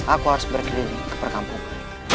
aku harus berkeliling ke perkampungan